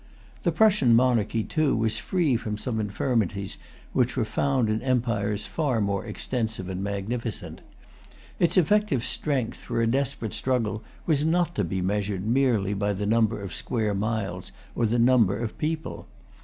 The Prussian monarchy, too, was free from some infirmities which were found in empires far more extensive and magnificent. Its effective strength for a desperate struggle was not to be measured merely by the number of square miles or the number of people.